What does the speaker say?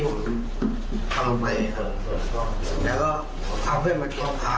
รู้สึกเสียใจมากครับ